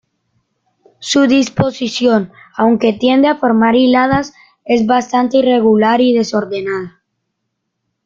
Su disposición, aunque tienden a formar hiladas, es bastante irregular y desordenada.